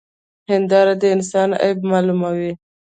هنداره د انسان عيب معلوموي.